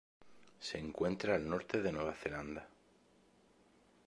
Se encuentra al norte de Nueva Zelanda.